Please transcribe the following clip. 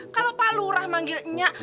kalau pak lurah manggil enyak